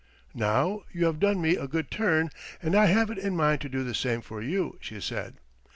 "Now you have done me a good turn, and I have it in mind to do the same for you," she said.